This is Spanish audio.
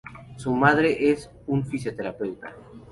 Su madre es un fisioterapeuta.